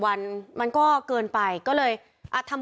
คุณสังเงียมต้องตายแล้วคุณสังเงียม